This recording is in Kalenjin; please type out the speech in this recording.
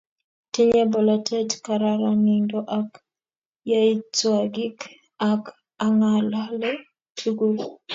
Tinye bolotet kararanindo ak yaitwakik ak angalale tugul